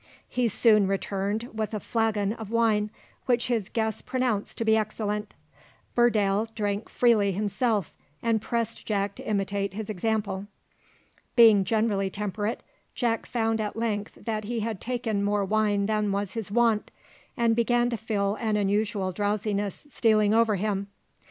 He soon returned with a flagon of wine, which his guests pronounced to be excellent. Burdale drank freely himself, and pressed Jack to imitate his example. Being generally temperate, Jack found at length that he had taken more wine than was his wont, and began to feel an unusual drowsiness stealing over him.